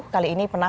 kali ini penang